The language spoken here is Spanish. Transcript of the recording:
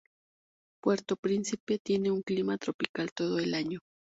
Puerto Príncipe tiene un clima tropical todo el año.